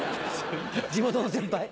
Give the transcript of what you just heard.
地元の先輩？